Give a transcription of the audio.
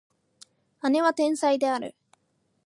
姉は天才である